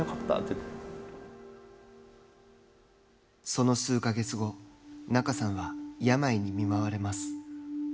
その数か月後仲さんは病に見舞われます。